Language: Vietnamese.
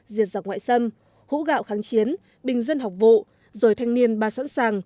diệt giặc ngoại xâm hú gạo kháng chiến bình dân học vụ rồi thanh niên ba sẵn sàng